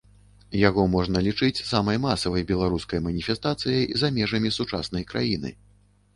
Яго можна лічыць самай масавай беларускай маніфестацыяй за межамі сучаснай краіны.